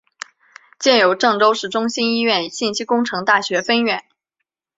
建有郑州市中心医院信息工程大学分院。